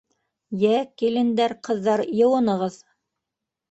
— Йә, килендәр, ҡыҙҙар, йыуынығыҙ.